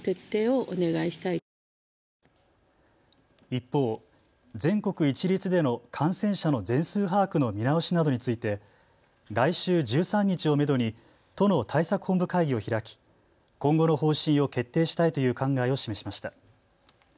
一方、全国一律での感染者の全数把握の見直しなどについて来週１３日をめどに都の対策本部会議を開き今後の方針を決定したいという考えを示しました。